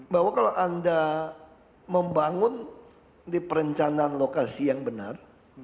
bahwa kalau anda membangun di perencanaan lokasi yang benar